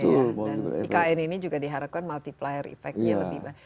ikn ini juga diharapkan multiplier efeknya